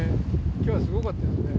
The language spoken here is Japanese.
きょうはすごかったですね。